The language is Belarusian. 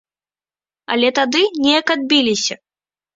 Але тады неяк адбіліся.